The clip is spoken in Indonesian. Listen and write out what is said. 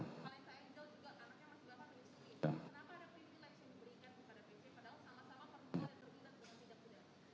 pak lensa angel juga anaknya masih delapan tahun